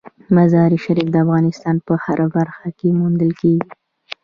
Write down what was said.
مزارشریف د افغانستان په هره برخه کې موندل کېږي.